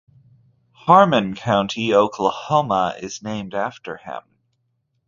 Harmon County, Oklahoma, is named after him.